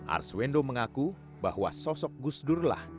arswendo mengaku bahwa sosok gus durlah